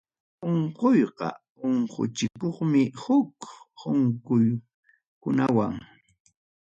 Unquyqa unquchikunmi huk unquykunawan.